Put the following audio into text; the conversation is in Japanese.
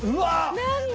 何だ？